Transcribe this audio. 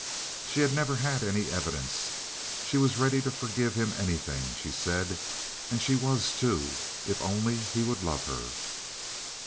She had never had any evidence. She was ready to forgive him anything, she said, and she was, too, if only he would love her.